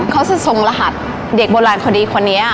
เขาจะทรงรหัสเด็กโบราณพอดีคนนี้